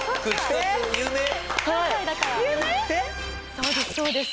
そうですそうです。